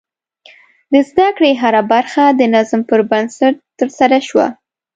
د زده کړې هره برخه د نظم پر بنسټ ترسره شوه.